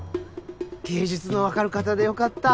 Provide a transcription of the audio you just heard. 芸術のわかる方で良かった。